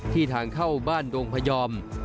ทางเข้าบ้านดงพยอม